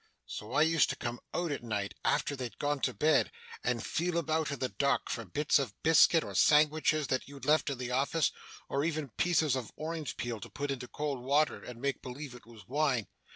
So I used to come out at night after they'd gone to bed, and feel about in the dark for bits of biscuit, or sangwitches that you'd left in the office, or even pieces of orange peel to put into cold water and make believe it was wine.